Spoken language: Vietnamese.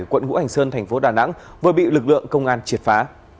quận ngũ hành sơn thành phố đà nẵng vừa bị lực lượng công an triệt phá